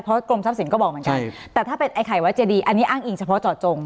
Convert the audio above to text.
เพราะกรมทรัพย์สินก็บอกเหมือนกันแต่ถ้าเป็นไอ้ไข่วัดเจดีอันนี้อ้างอิงเฉพาะเจาะจง